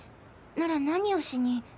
なら何をしに。